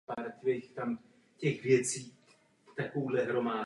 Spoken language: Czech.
Za Českou republiku úmluvu podepsal ministr zahraničí Karel Schwarzenberg.